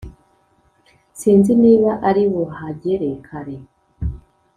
sinzi niba aribuhagere kare